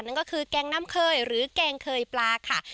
นั่นก็คือแกงน้ำเคยหรือแกงเคยปลาค่ะ